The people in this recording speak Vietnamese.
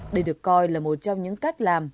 đây được coi là một trong những cách làm